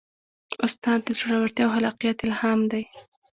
استاد د زړورتیا او خلاقیت الهام دی.